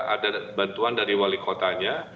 ada bantuan dari wali kotanya